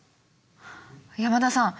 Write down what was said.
山田さん。